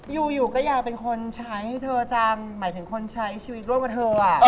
อยู่ก็อยากเป็นคนใช้เธอจำหมายถึงคนใช้ชีวิตร่วมกับเธอ